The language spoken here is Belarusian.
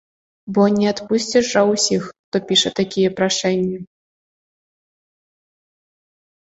Бо не адпусціш жа ўсіх, хто піша такія прашэнні?